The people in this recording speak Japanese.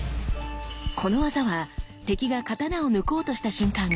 この技は敵が刀を抜こうとした瞬間